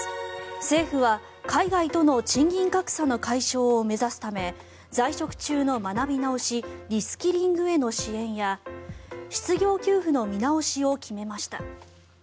政府は海外との賃金格差の解消を目指すため在職中の学び直し・リスキリングへの支援や失業給付の見直しを決めました。